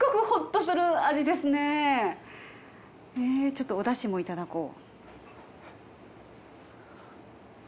ちょっとお出汁もいただこう。